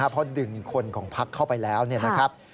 เพราะดึงคนของภักดิ์เข้าไปแล้วนะครับ